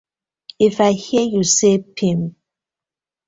If I hear yu say pipp.